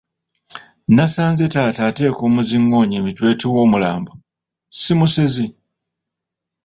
Nasanze taata ateeka omuzingoonyo emitwetwe w'omulambo, si musezi?